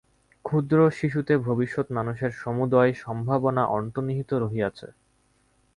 ক্ষুদ্র শিশুতে ভবিষ্যৎ মানুষের সমুদয় সম্ভাবনা অন্তর্নিহিত রহিয়াছে।